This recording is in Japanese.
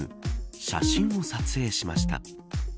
写真を撮影しました。